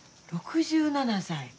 ６７歳。